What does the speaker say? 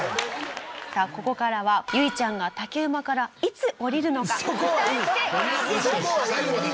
さあここからはゆいちゃんが竹馬からいつ降りるのか期待してご覧ください。